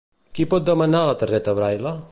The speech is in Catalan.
Qui pot demanar la targeta Braille?